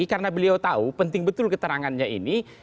karena beliau tahu penting betul keterangannya ini